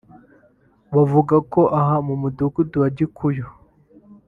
bavuga ko aha mu mudugudu wa Gikuyu